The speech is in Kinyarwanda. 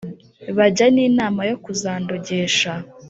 bajya n'inama yo kuzandogesha !»